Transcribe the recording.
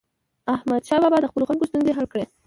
احمدشاه بابا د خپلو خلکو ستونزې حل کړي.